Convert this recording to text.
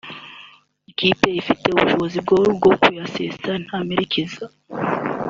ikipe ifite ubushobozi bwo rwo kuyasesa nta mperekeza